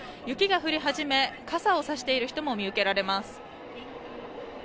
雪が降り始め、傘を差している人も見受けられます。